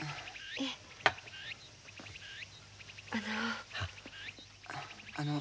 いえ私あの。